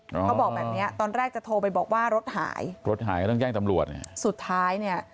และพอบอกแบบแล้วตอนแรกจะโทรไปบอกว่ารถหายรถหายต้องย่ายตำรวจสุดท้ายเนี่ย